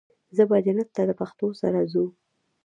زه به جنت ته د پښتو سره ځو